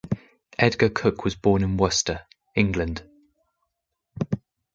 Edgar Cook was born in Worcester, England.